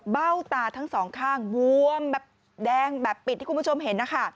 เบ้าตาทั้งสองข้างบวมแบบแดงแบบปิดที่คุณผู้ชมเห็นนะคะ